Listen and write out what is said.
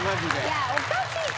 いやおかしいって。